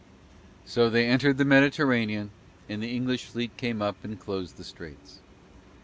So they entered the Mediterranean and the English fleet came up and closed the straits.